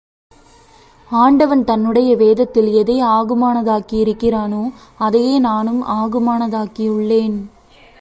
ஆண்டவன் தன்னுடைய வேதத்தில் எதை ஆகுமானதாக்கி இருக்கின்றானோ, அதையே நானும் ஆகுமானதாக்கியுள்ளேன்.